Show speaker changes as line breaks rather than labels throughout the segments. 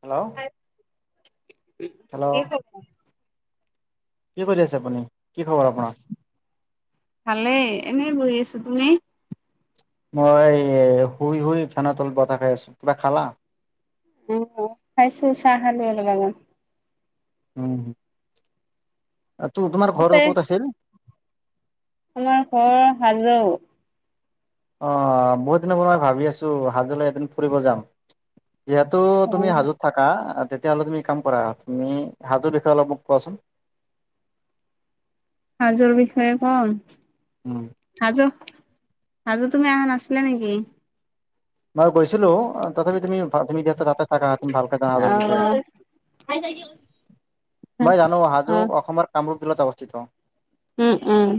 Hello?
[unintelligible]
Hello?
খবৰ?
কি কৰি আছে আপুনি? কি খবৰ আপোনাৰ?
ভালে এনেই বহি আছো তুমি?
মই শুই শুই ফেনৰ তলত বতাহ খাই আছো, কিবা খালা?
খাইছো, চাহ খালো অলপ আগত।
উম' তোৰ তোমাৰ ঘৰ
তাতে
ক'ত আছিল?
আমাৰ ঘৰ হাজো।
অঁ বহুত দিনৰ পৰাই ভাবি আছোঁ হাজোলৈ এদিন ফুৰিব যাম। যিহেতু
অ
তুমি হাজত থাকা, তেতিয়াহ'লে তুমি কাম কৰা তুমি হাজোৰ বিষয়ে অলপ মোক কোৱাচোন।
হাজোৰ বিষয়ে কম।
উম'
হাজো, হাজো তুমি আহা নাছিলা নেকি?
মই গৈছিলো, তথাপি তুমি তুমি যিহেতু তাতে থাকা তুমি ভালকে জানা
অ
হাজোৰ বিষয়ে। মই জানো,
অ
হাজো অসমৰ কামৰূপ জিলাত অৱস্থিত।
উম' উম'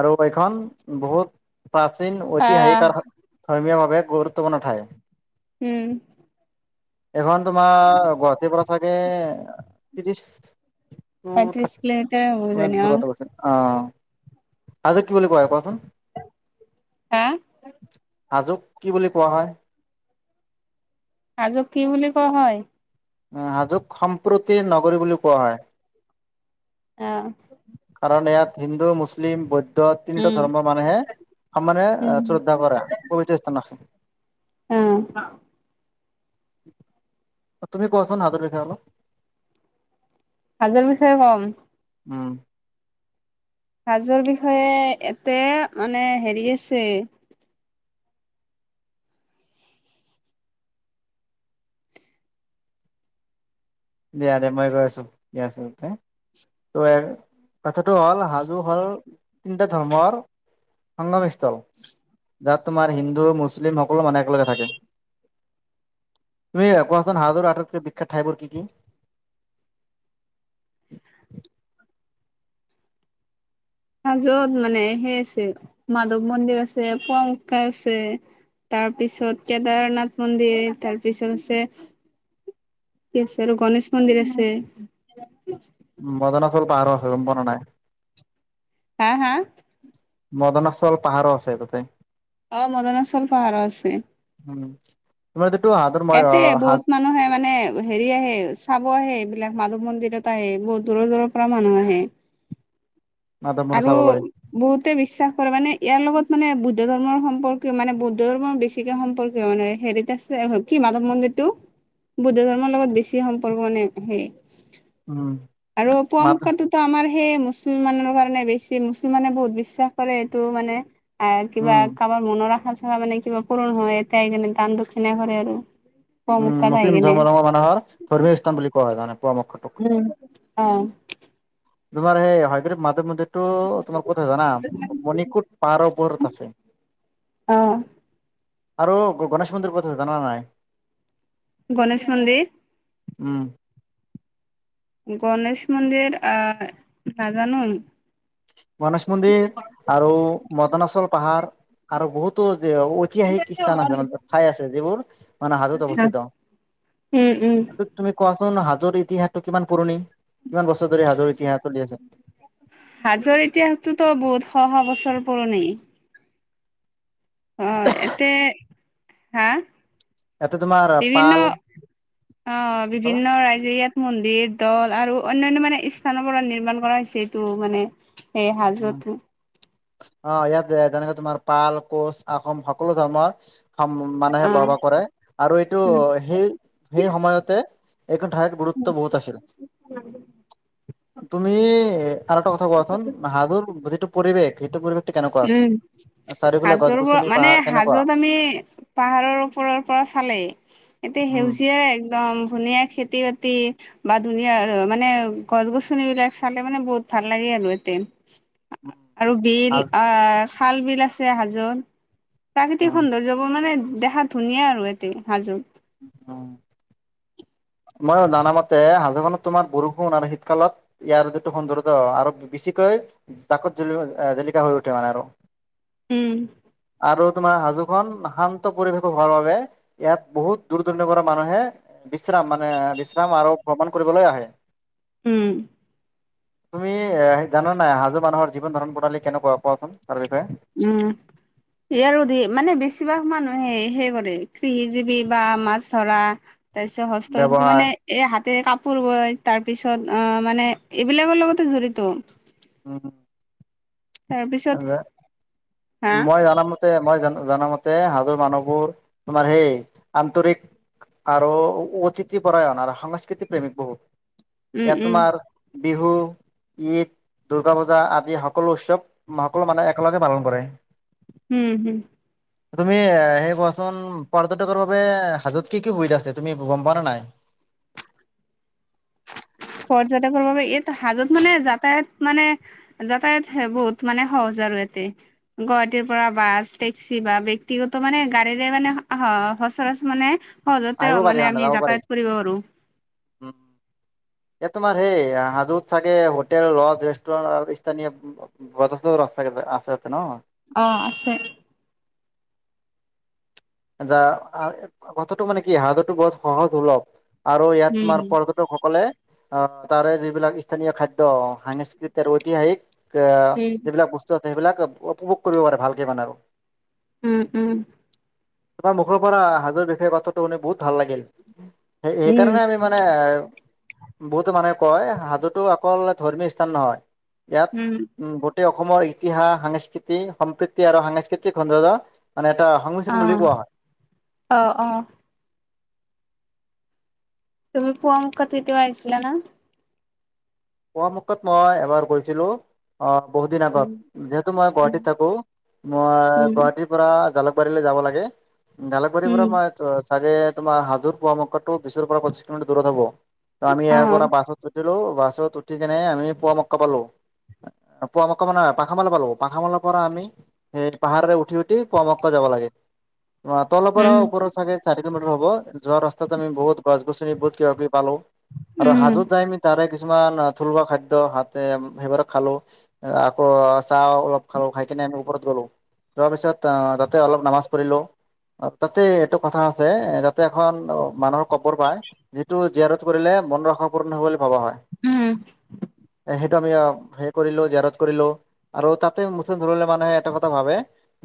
আৰু এইখন বহুত প্ৰাচীন ঐতিহাসিক
আহ
কাৰ- ধৰ্মীয়ভাৱে গুৰুত্বপূৰ্ণ ঠায়।
উম'
এইখন তোমাৰ গুৱাহাটীৰ পৰা চাগে ত্ৰিৰিছ- টো
পঁয়ত্ৰিশ
থাক
কিলোমিটাৰ হ'ব কিজানি
মানে
অ
দূৰত অৱস্থিত অঁ। আজে কি বুলি কয়? কোৱাচোন।
হাঁ'
হাজোক কি বুলি কোৱা হয়?
হাজোক কি বুলি কোৱা হয়?
অঁ' হাজোক সম্প্ৰতিৰ নগৰী বুলি কোৱা হয়।
অঁ'
কাৰণ, এইয়াত হিন্দু মুছলিম বৌদ- ধ তিনিটা
উম
ধৰ্মৰ মানুহে সমানে
উম
শ্ৰদ্ধা কৰা পবিত্ৰ স্থান আছে।
অঁ'
তুমি কোৱাচোন, হাজোৰ বিষয়ে অলপ।
হাজোৰ বিষয়ে কম।
উম'
হাজোৰ বিষয়ে এতে মানে হেৰি আছে-
দিয়া দে মই গৈ আছোঁ, দিয়া আচলতে- ত'এ কথাটো হ'ল সাজো হল তিনিটা ধৰ্মৰ- সংগমষ্টল। যত, তোমাৰ হিন্দু মুছলিম সকলো মানুহে একেলগে থাকে। তুমি কোৱাচোন হাজোৰ আটাইতকৈ বিখ্যাত ঠাইবোৰ কি কি?
হাজোত মানে সেই আছে মাধৱ মন্দিৰ আছে পুৱামক্কা আছে। তাৰপিছত কেদাৰনাথ মন্দিৰ, তাৰপিছত আছে- কি আছে আৰু? গণেশ মন্দিৰ আছে।
উম বদনাচল পাহাৰো আছে গম পোৱা নে নাই?
হাঁ হাঁ!
মদনাচল পাহাৰো আছে তাতে।
অঁ' মদনাচল পাহাৰ আছে।
উম' তোমাৰটোটো হাট-
এতে বহুত মানুহে মানে- ত' হেৰি আহে চাব আহে এইবিলাক মাধৱ মন্দিৰত আহে, বহুত দূৰৰ দূৰৰ পৰা মানুহ আহে।
মাধৱমুনি চাবলৈ
আৰু- বহুতে বিশ্বাস কৰে মানে, ইয়াৰ লগত মানে বুদ্ধ ধৰ্মৰ সম্পৰ্কীয় মানে বৌদ্ধ ধৰ্মৰ বেছিকে সম্পৰ্কীয় মানে। হেৰিতে আছে হয়, কি মাধৱ মন্দিৰটো? বুদ্ধ ধৰ্মৰ লগত বেছি সম্পৰ্ক মানে হয়েই।
উম,
আৰু পুৱা
মাধ
মক্কাটোতো আমাৰ সেই মুছলমানৰ [unintelligible] বেছি মুছলমানে বহুত বিশ্বাস কৰে, এইটো মানে
উম,
কিবা মনৰ আশা চখা মানে কিবা পুৰণ হয়, তাই হেই কাৰনে দান-দক্ষিণা কৰে আৰু।
উম,
পুৱামক্কাত আহি
মুছলিম
কিনে
ধৰ্মলম্ব মানুহৰ ধৰ্মীয় স্থান বুলি কোৱা হয় মানে পোৱামক্কাটোক।
অ
তোমাৰ সেই হয়গ্ৰীব মাধৱ মান্দিৰ টো তোমাৰ ক'ত আছে জানা মণিকোট পাহাৰৰ ওপৰত আছে।
অ
আৰু গণেশ মন্দিৰ ক'ত আছে জানা নাই?
গণেশ মন্দিৰ।
উম।
গণেশ মন্দিৰ, আহ, নাজানো।
গণেশ মন্দিৰ আৰু মদনাচল পাহাৰ আৰু বহুতো যে ঐতিহাসিক স্থান আছে মানে ঠাই আছে, যিবোৰ মানে হাজোত অৱস্থিত।
উম উম
তুমি কোৱাচোন, হাজোৰ ইতিহাসটো কিমান পুৰণি? কিমান বছৰ ধৰি হাজোৰ ইতিহাস চলি আছে?
হাজোৰ ইতিহাসটোতো বহুত শ-শ বছৰ পুৰণি। অ, এতে হা!
ইয়াতে তোমাৰ
বিভিন্ন,
পাল
অ,
কি ক'লা?
বিভিন্ন ৰাইজে ইয়াত মন্দিৰ দল আৰু অন্যান্য মানে স্থানৰ পৰা নিৰ্মাণ কৰা হৈছে এইটো মানে সেই
উম,
হাজোতো।
অ, ইয়াত যেনেকে তোমাৰ পাল, কোচ, আহোম সকলো ধৰ্মৰ মানুহে
অ',
বস-বাস কৰে আৰু এইটো
উম,
সেই, সেই সময়তে এইটো ঠায়ত গুৰুত্ব বহুত আছে। তুমি আৰু এটা কথা কোৱাচোন, হাজোত যিটো পৰিৱেশ, সেইটো পৰিৱেশ
উম। সাজু মানে
পাহাৰ কেনেকুৱা?
হাজোত আমি পাহাৰৰ ওপৰৰ পৰা চালে এতিয়া
উম,
সেউজীয়া একদম ধুনীয়া খেতি-বাতি বা ধুনীয়া মানে গছ-গছনিবিলাক চালে মানে বহুত ভাল লাগে আৰু ইয়াতে।
উম,
আৰু বিল, আহ, খাল-বিল আছে, হাজোত। প্ৰাকৃতিক
উম,
সৌন্দৰ্য মানে দেখাত ধুনীয়া আৰু এতে হাজো।
অঁ। মই জানা মতে, হাজো খনত তোমাৰ [unintelligible] শীতকালত ইয়াৰ যিটো সুন্দৰতা আৰু বেছিকৈ জাকত জি জিলিকা হৈ উঠে মানে আৰু।
উম'।
আৰু তোমাৰ হাজোখন শান্ত পৰিৱেশো হোৱাৰ বাবে ইয়াত বহুত দূৰ-দূৰণিৰ পৰা মানুহে বিশ্ৰাম, মানে বিশ্ৰাম আৰু ভ্ৰমণ কৰিবলৈ আহে।
উম'।
তুমি এ জানা নাই, হাজো মানুহৰ জীৱন-ধাৰণ প্ৰণালী কেনেকুৱা, কোৱাচোন তাৰ বিষয়ে।
উম'। এইয়াৰ, ধ, মানে, বেছিভাগ মানুহে হেই কৰে, কৃষিজীৱী বা মাছ ধৰা। তাৰপিছত, হস্তশিল্পী
ব্যৱহাৰ
মানে এই হাতে কাপোৰ বয়, তাৰ পিছত, অ, মানে, এইবিলাকৰ লগতে জড়িত।
[unintelligible]
তাৰপিছত
আৰু যে,
হা
মই জানা মই য'তে সাধু মানুহবোৰ, তোমাৰ সেই আন্তৰিক আৰু অতিথি-পৰায়ণ, আৰু সংস্কৃতি-প্ৰেমিক বহুত,
উম,
ইয়াত
উম,
তোমাৰ বিহু, ঈদ, দুৰ্গা পূজা আদি সকলো উৎসৱ সকলোৱে, মানে, একেলগে পালন কৰে।
হম', হম',
তুমি সেই কোৱাচোন, পৰ্যটকৰ বাবে হাজত কি কি সুবিধা আছে? তুমি গম পোৱা নে নাই?
পৰ্যটকৰ বাবে, এই হাজত, মানে, যাতায়াত, মানে যাতায়াত বহুত, মানে, সহজ, আৰু ইয়াতে গুৱাহাটীৰ পৰা বাছ, টেক্সি বা ব্যক্তিগত, মানে, গাড়ীৰে, মানে, সচৰাচৰ, মানে অ', যাতে,
আহিব পাৰি
মানে, আমি
যাব পাৰি।
যাতায়াত কৰিব, আৰু
এ, তোমাৰ সেই হাজোত চাগে হোটেল, লজ, ৰেষ্টুৰেণ্ট আৰু বজাৰো আছে ন।
অ', আছে।
কথাটো, মানে, কি সাধো, বহুত সহজ-সলভ। আৰু ইয়াত,
উম।
তোমাৰ পৰ্যটকসকলে অ', তাৰেই যিবিলাক স্থানীয় খাদ্য, সাংস্কৃতিক, ঐতিহাসিক এ,
উম,
যিবিলাক বস্তু আছে, সেইবিলাক উপভোগ কৰিব পাৰে, ভালকে মানে আৰু।
উম', উম,
তোমাৰ মুখৰ পৰা হাজোৰ বিষয়ে কথাটো শুনি বহুত ভাল লাগিল,
উম,
সেইকাৰণে আমি মানে, বহুতো মানুহে কয়, হাজো অকল ধৰ্মীয় স্থান নহয়, ইয়াত
হম',
উম', গোটেই অসমৰ ইতিহাস, সাংস্কৃতিক সম্প্ৰীতি আৰু সাংস্কৃতিক সৌন্দৰ্য, মানে, এটা সংমিশ্ৰণ বুলি
অ',
কোৱা হয়
অ, অ, তুমি পুৱোৱা মুখত তেতিয়া আহিছিলা ন?
পোৱামককত মই এবাৰ গৈছিলো। অ', বহুত দিন আগত,
উম,
যিহেতু মই
উম,
গুৱাহাটীত থাকো, মই
উম,
গুৱাহাটীত পৰা জালুকবাৰীলৈ যাব লাগে, জালুকবাৰীৰ
উম,
পৰা মই ত, চাগে তোমাৰ হাজোৰ পোৱা, মুঠো বিশৰ পৰা পঁচিশ কিলোমিটাৰ দূৰত হ'ব, ত আমি ইয়াৰ
অ',
পৰা বাছত উঠিলো, বাছত উঠি, কেনে আমি পুৱা মক্কা পালো। ক, মানে, পাখমাৰা পালো, পাখমাৰাৰ পৰা আমি স, পাহাৰেৰে উঠি উঠি, পুৱা মক্কা যাব লাগে অ', তলৰ পৰা
উম,
ওপৰৰ চাগে চাৰি কিলোমিটাৰ হ'ব, যোৱা ৰাস্তাত আমি বহুত গছ-গছনি বহুত, কিবা-কিবি পালো, আৰু
উম,
হাজোত যাই আমি তাৰে কিছুমান থলুৱা খাদ্য হাতে, সেইবোৰ খালো আকৌ, চাহ অলপ খালো, খাই, কিনে আমি ওপৰত গ'লো যোৱা পিছত তাতে অলপ নামাজ পঢ়িলোঁ। তাতে এইটো কথা আছে এ তাতে এখন অ মানুহৰ কবৰ পায় যিটো জীয়াৰত কৰিলে মন সম্পূৰ্ণ হব বুলি ভবা হয়।
উম
সেইটো আমি সেই কৰিলো জীয়াৰত কৰিলো। আৰু তাতে মুছলিম ধৰ্মৰ মানুহে এটা কথা ভাবে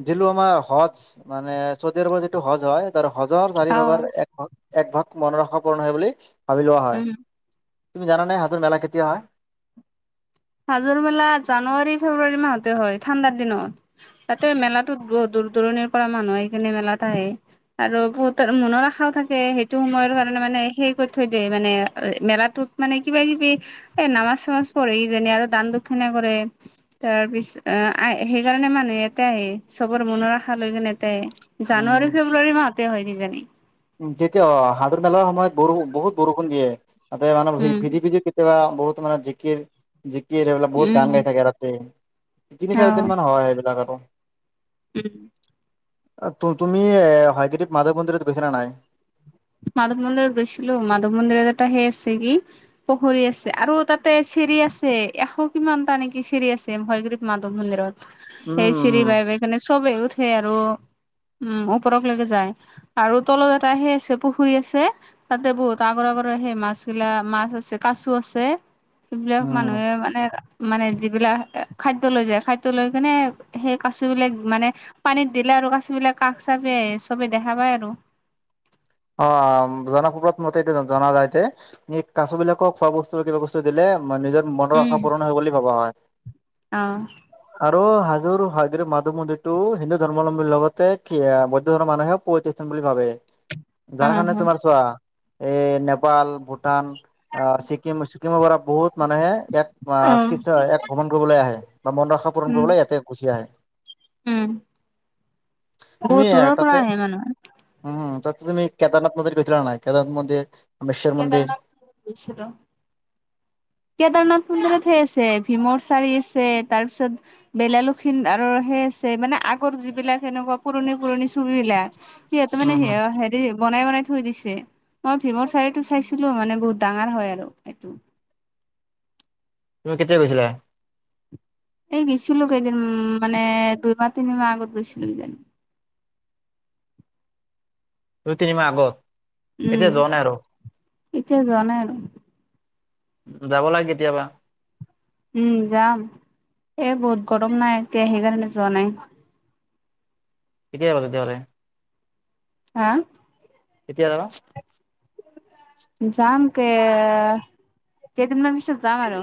দিলো আমাৰ হজ মানে চৌদি আৰবৰ যিটো হজ হয় ত হজৰ চাৰি
অ',
ভাগৰ এক ভাগ এক ভাগ মনৰ আশা পূৰ্ন হয় বুলি ভাবি লোৱা হয়।
উম।
তুমি জানে হাজোৰ মেলা কেতিয়া হয়?
হাজোৰ মেলা জানুৱাৰী, ফেব্ৰুৱাৰী মাহতে হয়, ঠাণ্ডাৰ দিনত। তাতে মেলাটোত বহুত দূৰ দূৰণিৰ পৰা মানুহ আহি কিনে মেলাত আহে আৰু বহুতৰ মনৰ আশাও থাকে, সেইটো সময়ৰ কাৰণে মানে সেই কৰি থৈ দিয়ে, মানে মেলাটোত মানে কিবা কিবি, এ নামাজ চামাজ পঢ়ি কিজানি আৰু দান দক্ষিণা কৰে তাৰপিছ সেইকাৰণে মানুহে ইয়াতে আহে, চবৰ মনৰ আশা লৈ কিনে ইয়াতে আহে। জানুৱাৰী,
উম,
ফেব্ৰুৱাৰী মাহতে হয় কিজানি!
যেতিয়া অ, হাজোৰ মেলাৰ সময়ত ব বহুত বৰষুণ দিয়ে, তাতে মানে
উম।
ভিজি ভিজি তেতিয়া বহুত মানে জিকিৰ, জিকিৰ এইবিলাক বহুত
উম,
গান গাই থাকে ৰাতি
অ',
তিনি চাৰি দিন মান হয় সেইবিলাক আৰু
উম
তুমি হয়গ্ৰীৱ মাধৱ মন্দিৰত গৈছানে নাই?
মাধৱ মন্দিৰত গৈছিলো। মাধৱ মন্দিৰত এটা সেই আছে কি পুখুৰী আছে, আৰু তাতে চিৰি আছে, এশ কিমানটা নেকি চিৰি আছে হয়গ্ৰীৱ মাধৱ মন্দিৰত।
উম,
সেই চিৰি
উম,
বাই বাই মানে চবেই উঠে আৰু, উম ওপৰক লৈকে যায়। আৰু তলত এটা সেই চে পুখুৰী আছে, তাতে বহুত আগৰ আগৰ সেই মাছ গিলা, মাছ আছে, কাছো আছে সেইবিলাক
উম
মানুহে মানে, মানে যিবিলাক খাদ্য লৈ যায়, খাদ্য লৈ কিনে সেই কাছবিলাক মানে পানীত দিলে আৰু কাছ বিলাক কাষ চাপি আহে। চবেই দেখা পায় আৰু।
অ', জনপ্ৰবাদ মতে জনা যায় যে এই কাছ বিলাকক খোৱা বস্তু, কিবা বচ তু দিলে, নিজৰ মনৰ
উম
আশা পূৰণ হয় বুলি ভবা হয়।
অ
আৰু হাজোৰ হয়গ্ৰীব মাধৱ মন্দিৰটো হিন্দু ধৰ্মালম্বীৰ লগতে কি বৌদ্ধ ধৰ্মৰ মানুহেও [unintelligible] বুলি ভাবে। যাৰকাৰণে
অ',
তোমাৰ চোৱা এই নেপাল, ভূটান আ, ছিকিম, ছিকিমৰ পৰা বহুত মানুহে ইয়াত
অ
তীৰ্থ এক ভ্ৰমণ কৰিবলৈ আহে। বা মনৰ আশা পূৰণ
উম,
কৰিবলৈ ইয়াতে গুচি আহে।
উম,
তুমি
বহুত দূৰৰ পৰা
তাতে
আহে মানুহ।
উম, তাত তুমি কেদাৰনাথ মন্দিৰ গৈছিলা নে নাই, কেদাৰনাথ মন্দিৰ? বিশ্বৰ মন্দিৰ
কেদাৰনাথ গৈছিলো। কেদাৰনাথ মন্দিৰত সেই আছে, ভীমৰ চাৰি আছে, তাৰপিছত বেওলা লক্ষিন্দ আৰু সেই আছে, মানে আগৰ যিবিলাক এনেকুৱা পুৰণি পুৰণি ছবি বিলাক সিহঁতে মানে
উম
সেয়া বনাই বনাই থৈ দিছে। মই ভীমৰ চাৰিটো চাইছিলো মানে, বহুত ডাঙৰ হয় আৰু এইটো
তুমি কেতিয়া গৈছিলা?
এই গৈছিলো কেইদিন উ মানে, দুই মাহ, তিনি মাহ আগত গৈছিলো কিজানি।
দুই তিনিমাহ আগত,
উম,
এতিয়া যোৱা নাই আৰু?
এতিয়া যোৱা নাই আৰু
যাবা নে কেতিয়াবা?
উম যাম। এই বহুত গৰম না এতিয়া, সেইকাৰণে যোৱা নাই।
কেতিয়া যাবা তেতিয়াহ'লে?
হাঁ
কেতিয়া যাবা?
যাম কে, কেইদিনমান পিছত যাম আৰু।